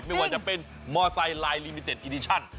ไม่ว่าจะเป็นมอไซค์ไลน์ลิมิเต็ดอิดิชั่น